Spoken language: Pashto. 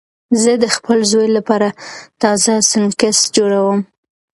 زه د خپل زوی لپاره تازه سنکس جوړوم.